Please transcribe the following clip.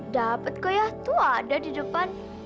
dapat kok ya tuh ada di depan